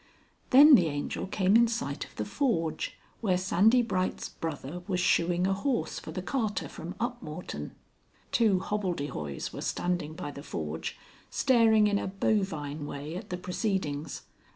Then the Angel came in sight of the forge, where Sandy Bright's brother was shoeing a horse for the carter from Upmorton. Two hobbledehoys were standing by the forge staring in a bovine way at the proceedings.